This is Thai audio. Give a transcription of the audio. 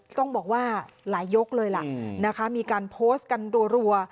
ต้องบอกว่าหลายยกเลยล่ะนะคะมีการโพสต์กันรัว